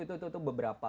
itu itu itu beberapa